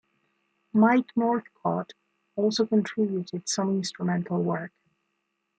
Mike Northcott also contributed some instrumental work.